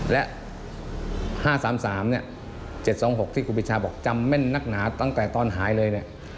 และ๕๓๓๗๒๖ที่กุฟิชาบอกจำแม่นนักหนาตั้งแต่ตอนหายเลย